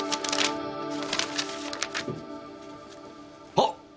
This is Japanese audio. あっ！？